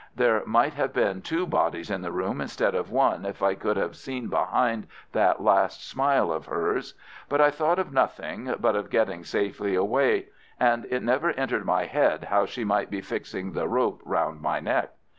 There might have been two bodies in the room instead of one if I could have seen behind that last smile of hers. But I thought of nothing but of getting safely away, and it never entered my head how she might be fixing the rope round my neck.